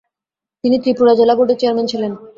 তিনি ত্রিপুরা জেলা বোর্ডের চেয়ারম্যান ছিলেন।